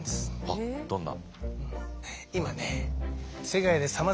あっどんな？